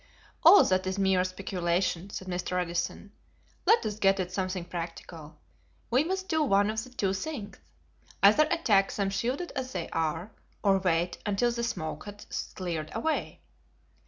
"All that is mere speculation," said Mr. Edison; "let us get at something practical. We must do one of two things: either attack them shielded as they are, or wait until the smoke has cleared away.